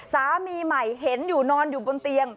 สามีใหม่เห็นอยู่นอนอยู่บนเตียง